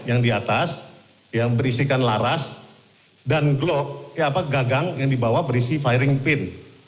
yang di atas yang berisikan laras dan gagang yang di bawah berisi firing pin